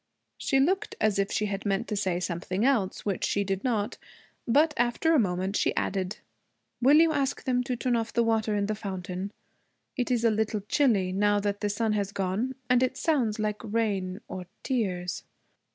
She looked as if she had meant to say something else, which she did not. But after a moment she added, 'Will you ask them to turn off the water in the fountain? It is a little chilly, now that the sun has gone, and it sounds like rain or tears.'